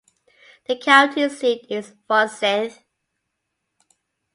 The county seat is Forsyth.